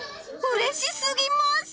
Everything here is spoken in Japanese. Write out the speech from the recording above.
うれしすぎます！